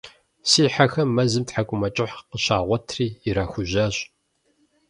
Си хьэхэм мэзым тхьэкӀумэкӀыхь къыщагъуэтри ирахужьащ.